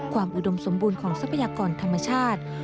ความอูดมสมบูรณ์ของทรัพยากรธรมาชาติ